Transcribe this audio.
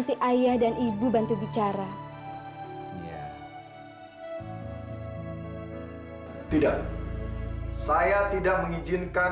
sampai jumpa di video selanjutnya